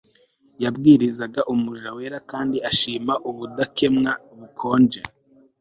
Yabwirizaga umuja wera kandi ashima ubudakemwa bukonje